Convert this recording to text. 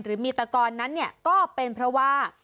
หรือมีตะกอนนั้นเนี่ยก็เป็นเพราะว่า